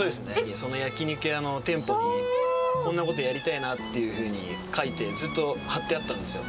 その焼き肉屋の店舗に、こんなことやりたいなっていうふうに描いて、ずっと貼ってあったんですよ。